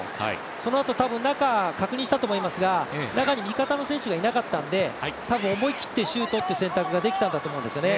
そのあと多分、中を確認したと思いますが、中に味方の選手がいなかったので、たぶん思い切ってシュートって選択ができたんだと思うんですよね。